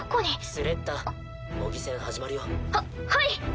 スレッタ模擬戦始まるよ。ははい。